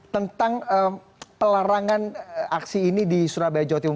tentang pelarangan aksi ini di surabaya jawa timur